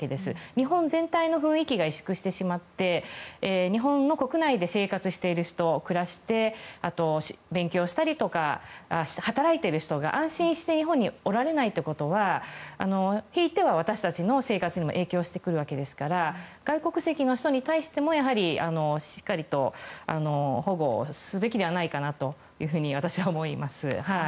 日本全体の雰囲気が委縮してしまって日本の国内で生活している人暮らして、勉強したりとか働いている人が安心して日本におられないということはひいては私たちの生活にも影響してくるわけですから外国籍の人に対してもしっかりと保護をすべきではないかと私は思います。